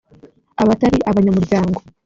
Abatari abanyamuryango